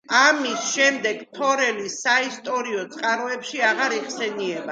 ამის შემდეგ თორელი საისტორიო წყაროებში აღარ იხსენიება.